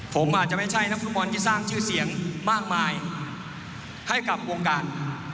ผมอาจจะไม่ใช่นักฟุตบอลที่สร้างชื่อเสียงมากมายให้กับวงการ